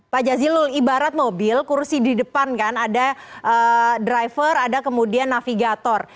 pak jazilul ibarat mobil kursi di depan kan ada driver ada kemudian navigator